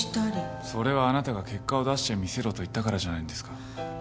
それはあなたが結果を出してみせろと言ったからじゃないんですか。